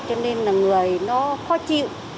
cho nên là người nó khó chịu